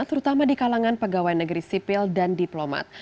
terutama di kalangan pegawai negeri sipil dan diplomat